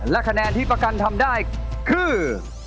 และคะแนนที่ประกันทำได้คือ